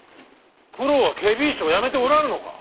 九郎は検非違使を辞めておらぬのか。